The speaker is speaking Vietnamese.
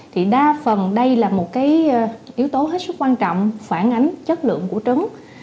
thì đa phần đây là một cái yếu tố hết sức quan trọng phản ánh chất lượng của trứng